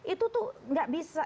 itu tuh gak bisa